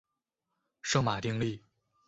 圣马丁利。